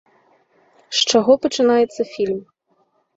З чаго пачынаецца фільм?